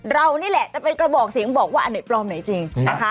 เรานี่แหละจะเป็นกระบอกเสียงบอกว่าอันไหนปลอมไหนจริงนะคะ